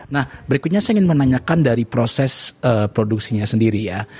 nah berikutnya saya ingin menanyakan dari proses produksinya sendiri ya